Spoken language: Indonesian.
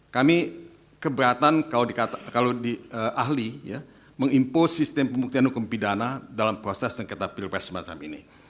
kami keberatan kalau dikata kalau di ahli ya mengimpo sistem pembuktian hukum pidana dalam proses sengketa pilpres semacam ini